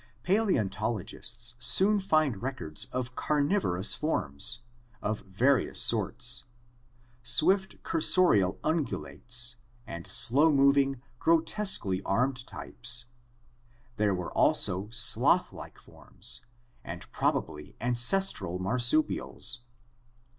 Paleontologists soon find records of carnivorous forms (creo donts) of various sorts, swift cursorial ungulates (condylarths), and slow moving, grotesquely armed types (amblypods). There were also sloth like forms (taeniodonts) and probably ancestral marsupials.